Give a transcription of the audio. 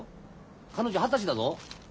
彼女二十歳だぞ。